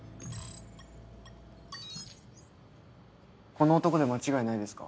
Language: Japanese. この男で間違いないですか？